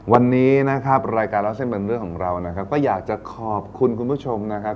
วันนี้นะครับรายการเล่าเส้นเป็นเรื่องของเรานะครับก็อยากจะขอบคุณคุณผู้ชมนะครับ